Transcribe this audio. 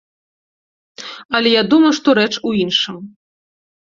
Але я думаю, што рэч у іншым.